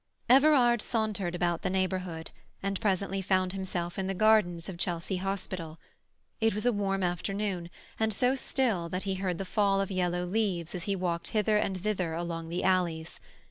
Everard sauntered about the neighbourhood, and presently found himself in the gardens of Chelsea Hospital. It was a warm afternoon, and so still that he heard the fall of yellow leaves as he walked hither and thither along the alleys.